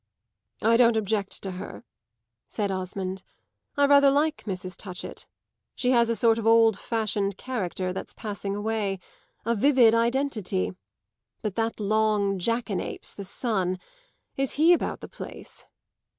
"I don't object to her," said Osmond; "I rather like Mrs. Touchett. She has a sort of old fashioned character that's passing away a vivid identity. But that long jackanapes the son is he about the place?"